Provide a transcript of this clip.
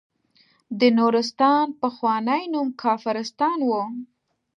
د نورستان پخوانی نوم کافرستان وه.